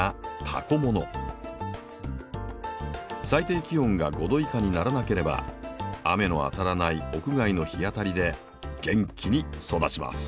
最低気温が５℃以下にならなければ雨の当たらない屋外の日当たりで元気に育ちます。